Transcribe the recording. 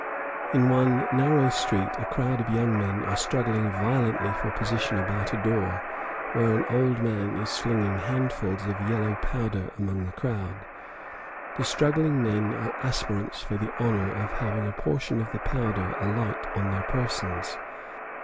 In one narrow street a crowd of young men are struggling violently for position about a door, where an old man is flinging handfuls of yellow powder among the crowd. The struggling men are aspirants for the honor of having a portion of the powder alight on their persons.